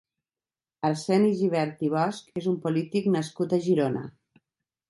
Arseni Gibert i Bosch és un polític nascut a Girona.